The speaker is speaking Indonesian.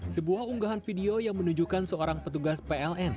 sebuah unggahan video yang menunjukkan seorang petugas pln